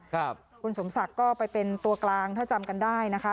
คุณสมศักดิ์ก็ไปเป็นตัวกลางถ้าจำกันได้นะคะ